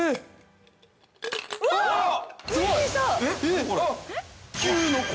うわーっ！